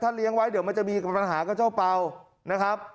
เลี้ยงไว้เดี๋ยวมันจะมีปัญหากับเจ้าเป่านะครับ